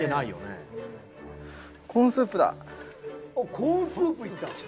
おっコーンスープいった。